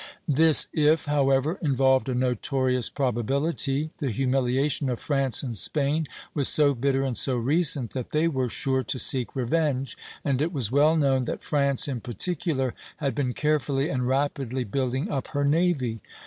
This "if," however, involved a notorious probability; the humiliation of France and Spain was so bitter and so recent that they were sure to seek revenge, and it was well known that France in particular had been carefully and rapidly building up her navy.